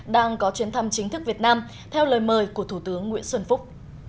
đang có chuyến thăm chính thức việt nam theo lời mời của thủ tướng nguyễn xuân phúc